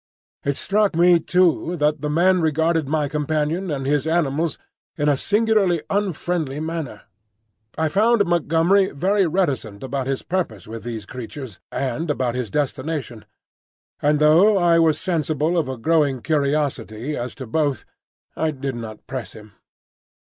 It struck me too that the men regarded my companion and his animals in a singularly unfriendly manner. I found Montgomery very reticent about his purpose with these creatures, and about his destination; and though I was sensible of a growing curiosity as to both, I did not press him.